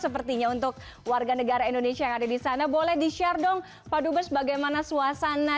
sepertinya untuk warga negara indonesia yang ada di sana boleh di share dong pak dubes bagaimana suasana